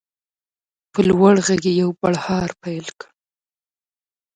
په لوړ غږ یې یو بړهار پیل کړ.